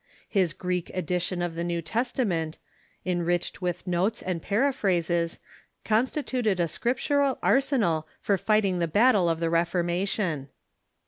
His Greek edition of the New Tes tament, enriched with notes and paraphrases, constituted a scriptural arsenal for fighting the battle of the Reformation.